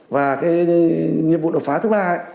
và cái nhiệm vụ đột phá thứ ba